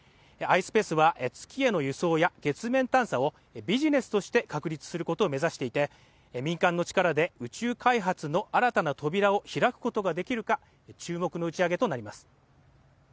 ｉｓｐａｃｅは月への輸送や月面探査をビジネスとして確立することを目指していて民間の力で宇宙開発の新たな扉を開くことができるか注目の打ち上げとなります